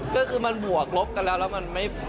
ก็คือมันบวกลบกันแล้วแล้วมันไม่